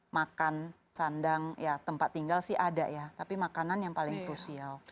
makan sandang ya tempat tinggal sih ada ya tapi makanan yang paling krusial